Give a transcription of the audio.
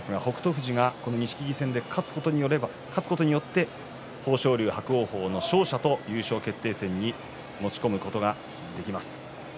富士が錦木戦に勝つことによって豊昇龍と伯桜鵬の勝者と優勝決定戦に持ち込むことができます。